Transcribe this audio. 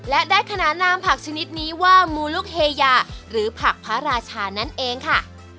และได้ขนานนามผักชนิดนี้ว่ามูลูกเฮยาหรือผักพระราชานั่นเองค่ะ